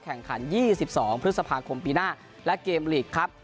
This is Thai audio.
แข่งขัน๒๒พฤษภาคมปีหน้าและเกมลีกครับ